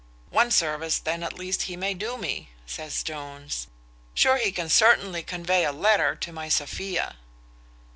"One service then at least he may do me," says Jones: "sure he can certainly convey a letter to my Sophia."